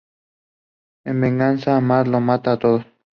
En venganza, Marv los mata a todos.